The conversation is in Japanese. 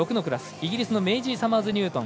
イギリスのメイジー・サマーズニュートン。